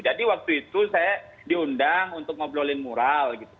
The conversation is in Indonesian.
jadi waktu itu saya diundang untuk ngobrolin moral gitu